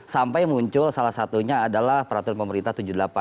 sampai muncul salah satunya adalah peraturan pemerintah tujuh puluh delapan